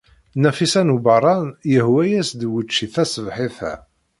Nafisa n Ubeṛṛan yehwa-as-d wucci taṣebḥit-a.